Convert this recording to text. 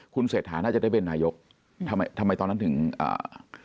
คุณเศรษฐาน่าจะได้เป็นนายกทำไมทำไมตอนนั้นถึงอ่า